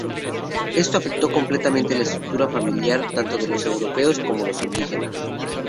Esto afectó completamente la estructura familiar tanto de los europeos como de los indígenas.